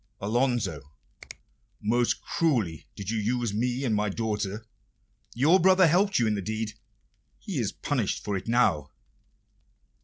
Alonso, most cruelly did you use me and my daughter; your brother helped you in the deed he is punished for it now.